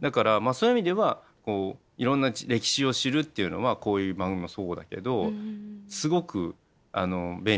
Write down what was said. だからそういう意味ではいろんな歴史を知るっていうのはこういう番組もそうだけどすごく便利な効率的な世の中になったのかなって。